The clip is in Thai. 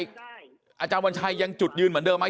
อาจารย์วัญชัยยังจุดยืนเหมือนเดิมไหม